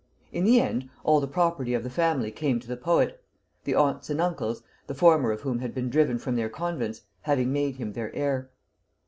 In the end, all the property of the family came to the poet; the aunts and uncles the former of whom had been driven from their convents having made him their heir.